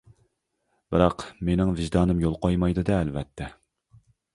بىراق مىنىڭ ۋىجدانىم يول قويمايدۇ دە ئەلۋەتتە.